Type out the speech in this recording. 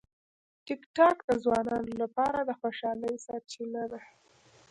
ټیکټاک د ځوانانو لپاره د خوشالۍ سرچینه ده.